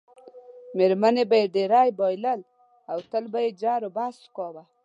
میرمنې به یې ډېری بایلل او تل به یې جروبحث کاوه.